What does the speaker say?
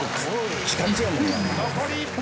残り１分。